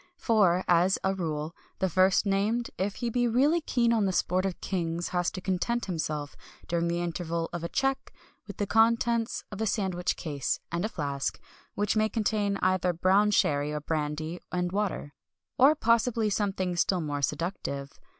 For, as a rule, the first named, if he be really keen on the sport of kings has to content himself, during the interval of a "check," with the contents of a sandwich case, and a flask, which may contain either brown sherry or brandy and water or possibly something still more seductive.